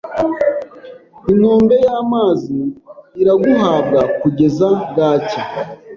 Inkombe yamazi Iraguhabwa kugeza bwacya